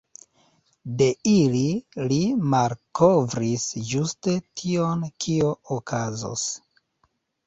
De ili li malkovris ĝuste tion kio okazos.